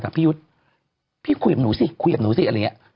พี่ยุทธ์พี่คุยกับหนูสิคุยกับหนูสิอะไรอย่างนี้